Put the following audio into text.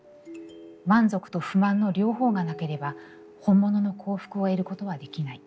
満足と不満の両方がなければ本物の幸福を得ることはできない。